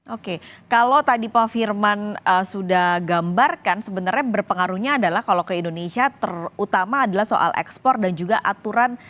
oke kalau tadi pak firman sudah gambarkan sebenarnya berpengaruhnya adalah kalau ke indonesia terutama adalah soal ekspor dan juga aturan